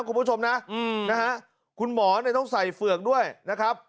คุณผู้ชมนะนะฮะคุณหมอเนี่ยต้องใส่เฝือกด้วยนะครับ